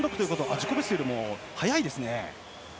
自己ベストより速いですね。